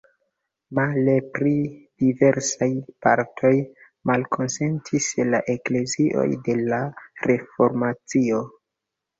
Male, pri diversaj partoj malkonsentis la eklezioj de la Reformacio.